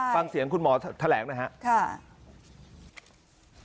ฟังเสียงคุณหมอแถลงนะครับ